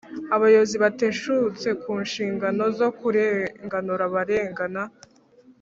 Abayobozi bateshutse kunshingano zokurenganura abarengana